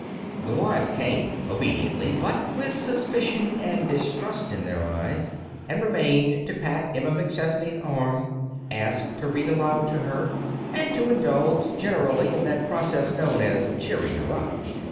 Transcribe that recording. The wives came, obediently, but with suspicion and distrust in their eyes, and remained to pat Emma McChesney's arm, ask to read aloud to her, and to indulge generally in that process known as "cheering her up."